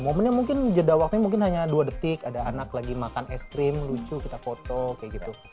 momennya mungkin jeda waktunya mungkin hanya dua detik ada anak lagi makan es krim lucu kita foto kayak gitu